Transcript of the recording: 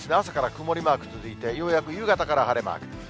朝から曇りマーク続いてようやく夕方から晴れマーク。